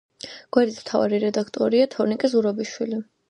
გვერდის მთავარი რედაქტორია თორნიკე ზურაბაშვილი.